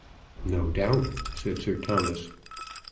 "No doubt," said Sir Thomas.